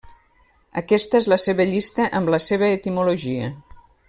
Aquesta és la seva llista amb la seva etimologia.